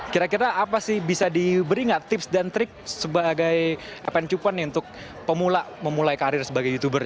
kira kira apa sih bisa diberi nggak tips dan trik sebagai adventuan nih untuk pemula memulai karir sebagai youtuber